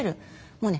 もうね